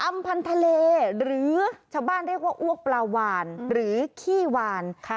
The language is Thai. ำพันธเลหรือชาวบ้านเรียกว่าอ้วกปลาวานหรือขี้วาน